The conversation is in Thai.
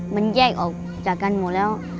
มันแยกออกจากกันหมดแล้ว